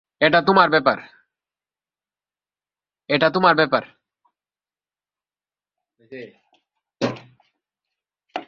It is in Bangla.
এটা তোমার ব্যাপার।